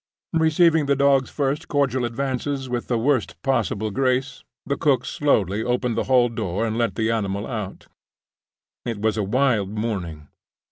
Receiving the dog's first cordial advances with the worst possible grace, the cook slowly opened the hall door and let the animal out. It was a wild morning.